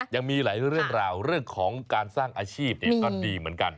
ยังมีหลายเรื่องราวเรื่องของการสร้างอาชีพก็ดีเหมือนกัน